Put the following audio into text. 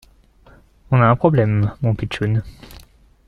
On a un problème, mon pitchoun.